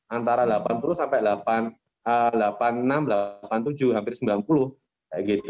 antara delapan puluh sampai delapan puluh enam delapan puluh tujuh hampir sembilan puluh